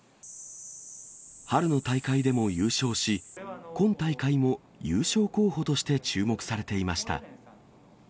春の大会でも優勝し、今大会も優勝候補として注目されていました。